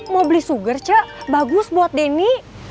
mau beli sugar cak bagus buat denny